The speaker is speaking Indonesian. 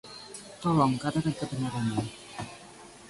Tolong katakan kebenarannya.